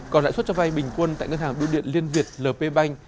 còn lãi suất cho vai bình quân tại ngân hàng biểu điện liên việt lp banh